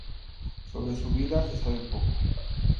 Sobre su vida se sabe poco.